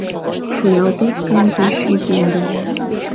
«Шуялтет гын тый шийвундым